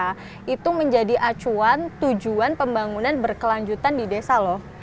jadi itu akan menjadi acuan tujuan pembangunan berkelanjutan di desa loh